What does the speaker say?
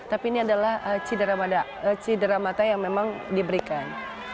tapi ini adalah cedera mata yang memang diberikan